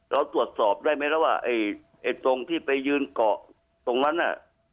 เราตรวจสอบได้ไหมแล้วว่าไอ้ตรงที่ไปยืนเกาะตรงนั้นน่ะ